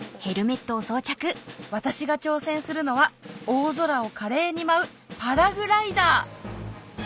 私が挑戦するのは大空を華麗に舞うパラグライダー